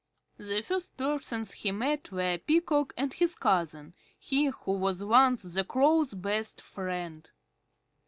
The first persons he met were the Peacock and his cousin, he who was once the Crow's best friend.